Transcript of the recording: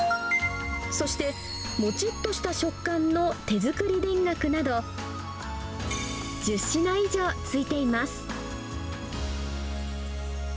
そして、もちっとした食感の手作り田楽など、１０品以上付いています。